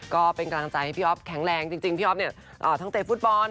ก็เป็นกำลังใจให้พี่อ๊อฟแข็งแรงจริงพี่อ๊อฟเนี่ยทั้งเตะฟุตบอล